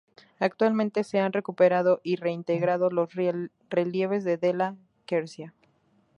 Actualmente, se han recuperado y reintegrado los relieves de Della Quercia.